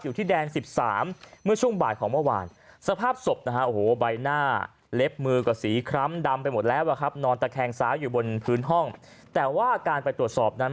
อยู่ที่แดง๑๓เมื่อช่วงบ่ายของเมื่อวาน